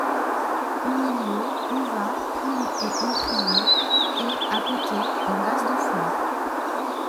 Au milieu, buvard, plume et encrier, et, à côté, un vase de fleurs.